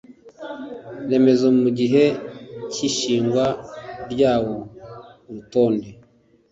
remezo mu gihe cy ishingwa ryawo urutonde